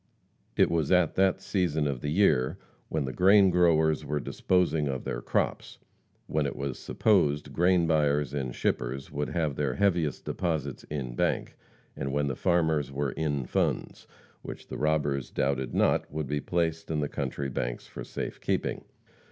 It was at that season of the year when the grain growers were disposing of their crops; when it was supposed grain buyers and shippers would have their heaviest deposits in bank, and when the farmers were "in funds," which the robbers doubted not would be placed in the country banks for safe keeping.